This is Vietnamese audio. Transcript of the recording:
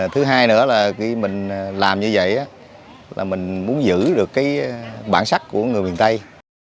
thứ hai nữa là khi mình làm như vậy là mình muốn giữ được cái bản sắc của người miền tây